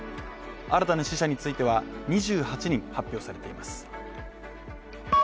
新たな死者については２８人発表されています。